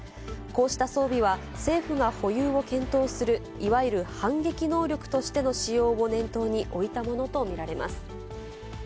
こうした装備は政府が保有を検討するいわゆる反撃能力としての使用を念頭に置いたものと見られます。